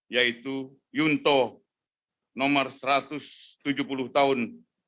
yaitu yunto nomor satu ratus tujuh puluh tahun dua ribu dua puluh